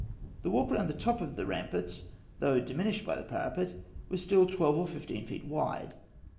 The walk round the top of the ramparts, though diminished by the parapet, was still twelve or fifteen feet wide.